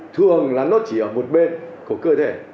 thường là nó chỉ ở một bên của cơ thể